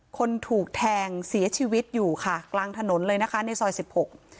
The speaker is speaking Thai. คนถูกแทงเสียชีวิตอยู่ค่ะกลางถนนเลยนะคะในซอยสิบหก